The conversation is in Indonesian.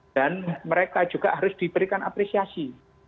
dan mereka juga harus diberikan apresiasi